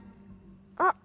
あっ。